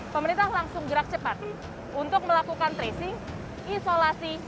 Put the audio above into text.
pemerintah langsung gerak cepat untuk melakukan tracing isolasi